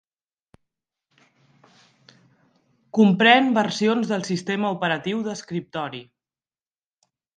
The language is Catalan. Comprèn versions del sistema operatiu d'escriptori